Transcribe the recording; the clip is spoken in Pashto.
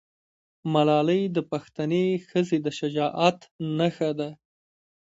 ملالۍ د پښتنې ښځې د شجاعت نښه ده.